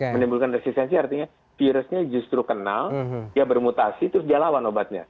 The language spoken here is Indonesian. menimbulkan resistensi artinya virusnya justru kenal dia bermutasi terus dia lawan obatnya